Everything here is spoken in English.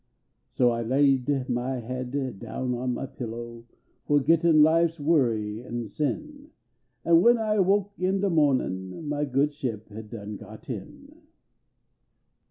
So I laid my haid down on my pillow, Fo gettin life s worry an sin ; An when I awoke in de moh nin . Mv Good Ship had done got in.